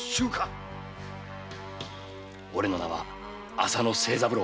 おれの名は浅野清三郎。